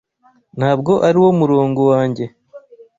Ntabwo ariwo murongo wanjye.